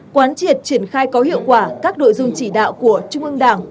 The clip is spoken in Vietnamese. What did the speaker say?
quán triệt triển khai có hiệu quả các đội dân